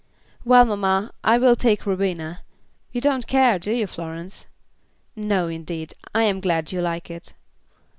"Well, mamma, I will take Rubina. You don't care, do you, Florence?" "No, indeed. I am glad you like it."